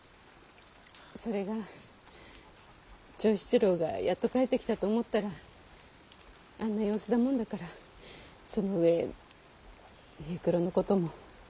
それが長七郎がやっと帰ってきたと思ったらあんな様子だもんだからその上平九郎のことも。